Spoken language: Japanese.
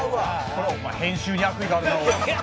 「これ編集に悪意があるな」